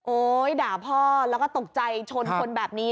ด่าพ่อแล้วก็ตกใจชนคนแบบนี้